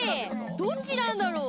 どっちなんだろう？